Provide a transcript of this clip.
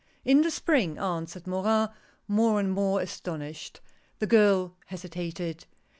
"In the Spring," answered Morin, more and more astonished. The girl hesitated.